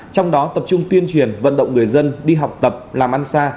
trong đó tập trung tuyên truyền vận động người dân đi học tập làm ăn xa